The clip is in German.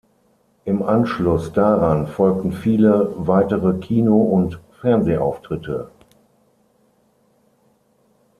Im Anschluss daran folgten viele weitere Kino- und Fernsehauftritte.